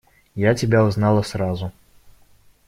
Я тебя узнала сразу.